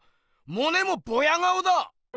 モネもボヤ顔だ！